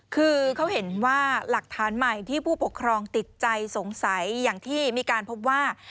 คือเขาเห็นว่าหลักฐานใหม่ที่ผู้ปกครองติดใจสงสัยอย่างที่มีการพบว่า